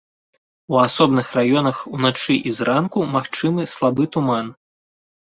У асобных раёнах уначы і зранку магчымы слабы туман.